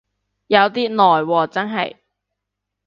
有啲耐喎真係